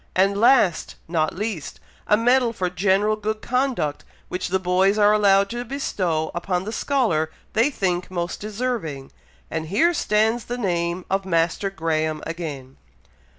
and last, not least, a medal for general good conduct, which the boys are allowed to bestow upon the scholar they think most deserving, and here stands the name of Master Graham again!!"